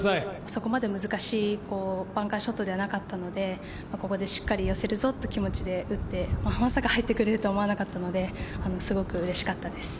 そこまで難しいバンカーショットではなかったので、ここでしっかり寄せるぞっていう気持ちで打って、まさか入ってくれるとは思わなかったので、すごくうれしかったです。